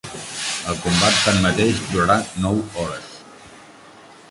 El combat, tanmateix, durà nou hores.